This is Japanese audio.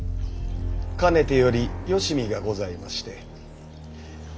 かねてより誼がございまして。